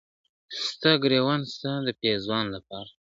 ستا د ګرېوان ستا د پېزوان لپاره ..